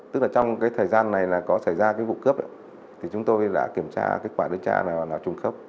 tức là trong cái thời gian này là có xảy ra cái vụ cướp thì chúng tôi đã kiểm tra kết quả đếm xe là trùng khớp